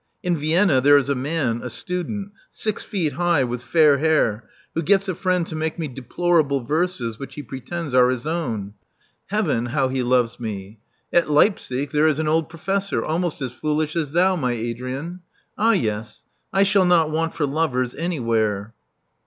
In Vienna there is a man — a student — six feet high, with fair hair, who gets a friend to make me deplorable verses which he pretends are his own. Heaven, how he Love Among the Artists 333 loves me! At Leipzig there is an old professor, almost as foolish as thou, my Adrian. Ah, yes: I shall not want for lovers anywhere."